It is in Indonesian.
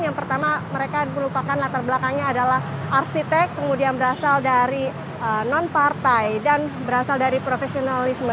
yang pertama mereka melupakan latar belakangnya adalah arsitek kemudian berasal dari non partai dan berasal dari profesionalisme